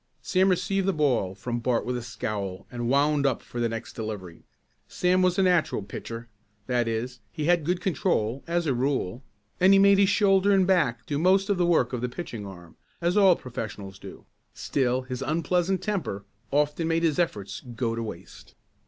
Sam received the ball from Bart with a scowl and wound up for the next delivery. Sam was a natural pitcher. That is, he had good control, as a rule, and he made his shoulder and back do most of the work of the pitching arm, as all professionals do. Still his unpleasant temper often made his efforts go to waste.